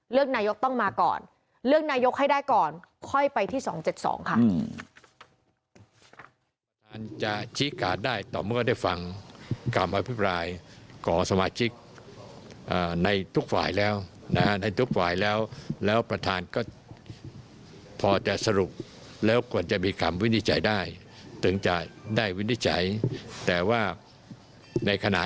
นายกต้องมาก่อนเลือกนายกให้ได้ก่อนค่อยไปที่๒๗๒ค่ะ